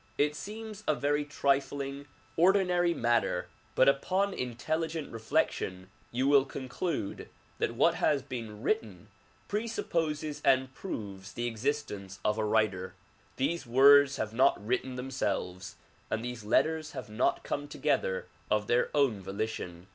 It seems a very trifling, ordinary matter but upon intelligent re DISCOURSES DELIVERED IN CHICAGO 79 flection you will conclude that what has been written presupposes and proves the existence of a writer. These words have not written themselves and these letters have not come together of their own volition.